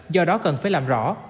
do đó cần phải làm rõ